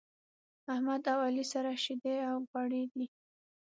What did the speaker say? احمد او علي سره شيدې او غوړي دی.